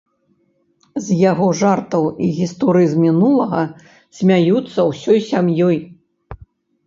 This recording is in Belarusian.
З яго жартаў і гісторый з мінулага смяюцца ўсёй сям'ёй.